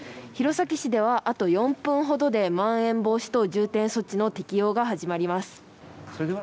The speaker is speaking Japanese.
弘前市では、あと４分ほどでまん延防止等重点措置の適用が始まります。